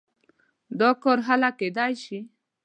دا کار هله کېدای شي.